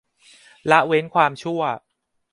ละเว้นความชั่ว